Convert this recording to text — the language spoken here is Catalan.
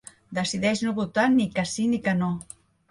Decideix no votar ni que sí ni que no.